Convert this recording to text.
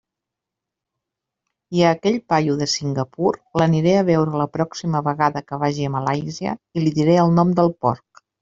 I a aquell paio de Singapur l'aniré a veure la pròxima vegada que vagi a Malàisia i li diré el nom del porc.